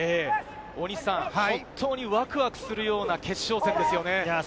大西さん、本当にワクワクするような決勝戦ですね。